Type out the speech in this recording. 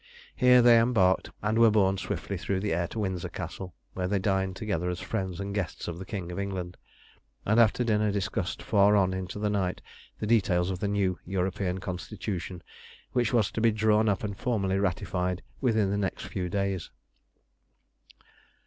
Here they embarked, and were borne swiftly through the air to Windsor Castle, where they dined together as friends and guests of the King of England, and after dinner discussed far on into the night the details of the new European Constitution which was to be drawn up and formally ratified within the next few days.